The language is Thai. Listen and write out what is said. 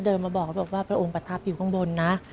เดินมาบอกว่าพระองค์ประทับอยู่ข้างบนนะ